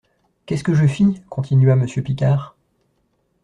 «, Qu'est-ce que je fis ? continua monsieur Picard.